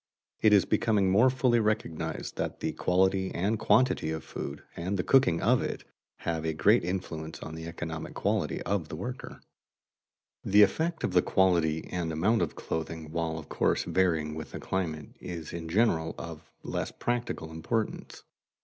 It is becoming more fully recognized that the quality and quantity of food, and the cooking of it, have a great influence on the economic quality of the worker. [Sidenote: Clothing] The effect of the quality and amount of clothing, while of course varying with the climate, is in general of less practical importance.